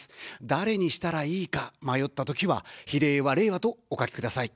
誰にしたらいいか迷ったときは、比例は、れいわとお書きください。